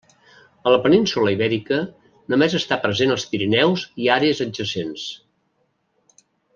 A la península Ibèrica només està present als Pirineus i àrees adjacents.